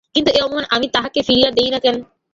কিন্তু এ অপমান আমিই তাহাকে ফিরাইয়া দিই না কেন?